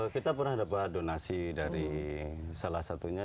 kita pernah dapat donasi dari salah satunya